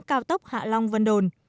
cao tốc hạ long văn đồn